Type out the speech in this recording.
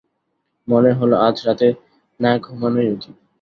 মনে হল, আজ রাতে না ঘুমানোই উচিত।